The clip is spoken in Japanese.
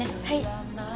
はい。